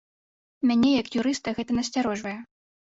Мяне, як юрыста, гэта насцярожвае.